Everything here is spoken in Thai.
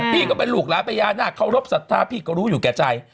พี่ก็เป็นลูกหลานพญานาคเคารพสัทธาพี่ก็รู้อยู่แก่ใจ